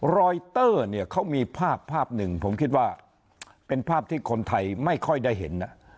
รอยเตอร์เนี่ยเขามีภาพภาพหนึ่งผมคิดว่าเป็นภาพที่คนไทยไม่ค่อยได้เห็น